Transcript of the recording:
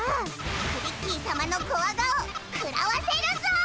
クリッキーさまのコワ顔食らわせるぞ！